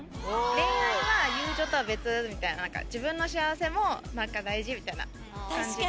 恋愛は友情とは別みたいな、自分の幸せもなんか大事みたいな感じで。